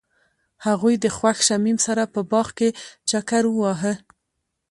هغوی د خوښ شمیم سره په باغ کې چکر وواهه.